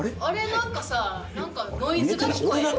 なんかさなんかノイズが聞こえん？